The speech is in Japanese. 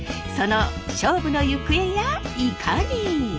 その勝負の行方やいかに？